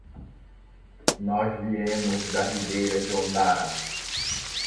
Nós viemos da Ribera d'Ondara.